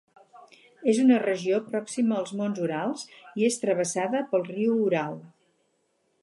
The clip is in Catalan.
És una regió pròxima als monts Urals i és travessada pel riu Ural.